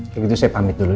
begitu saya pamit dulu